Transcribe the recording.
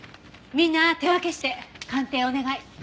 みんな手分けして鑑定お願い。